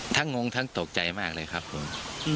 งงทั้งตกใจมากเลยครับผม